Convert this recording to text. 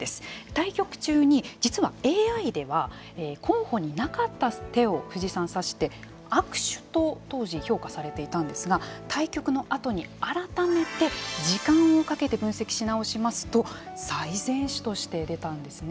対局中に実はＡＩでは候補になかった手を藤井さんは指して悪手と当時評価されていたんですが対局のあとに改めて時間をかけて分析し直しますと最善手として出たんですね。